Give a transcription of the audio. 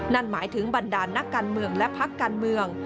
นั่นหมายถึงบรรดาลนักการเมืองและพักการเมือง